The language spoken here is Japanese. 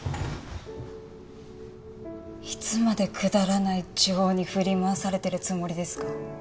いつまでくだらない情に振り回されてるつもりですか？